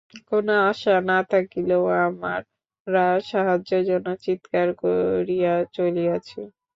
কোন আশা না থাকিলেও আমরা সাহায্যের জন্য চীৎকার করিয়া চলিয়াছি।